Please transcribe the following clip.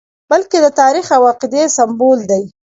بلکې د تاریخ او عقیدې سمبول دی.